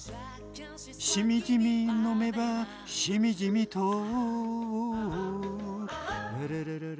「しみじみ飲めばしみじみと」